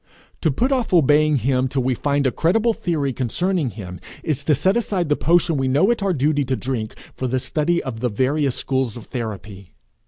To put off obeying him till we find a credible theory concerning him, is to set aside the potion we know it our duty to drink, for the study of the various schools of therapy.